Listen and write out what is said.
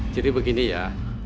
jadi begini ya